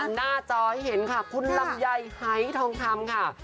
หน้าจอให้เห็นค่ะคุณลำไยหายทองคำค่ะ